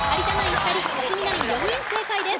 ２人克実ナイン４人正解です。